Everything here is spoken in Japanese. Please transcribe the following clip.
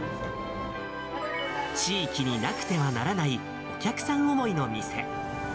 地域になくてはならないお客さん思いの店。